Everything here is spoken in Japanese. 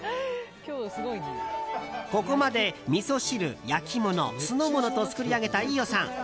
ここまで、みそ汁、焼き物酢の物と作り上げた飯尾さん。